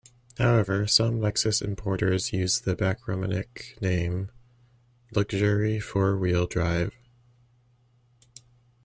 However, some Lexus importers use the backronymic name, "Luxury Four Wheel Drive".